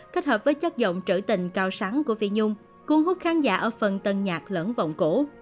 kết hợp với chất giọng trữ tình cao sáng của phi nhung cuốn hút khán giả ở phần tân nhạc lẫn vọng cổ